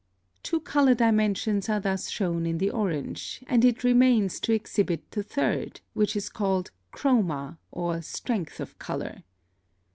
(11) Two color dimensions are thus shown in the orange, and it remains to exhibit the third, which is called CHROMA, or strength of color.